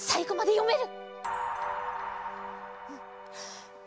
よめる！